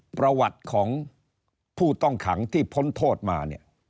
ประวัติของผู้ต้องขังที่พ้นโทษมาเนี่ย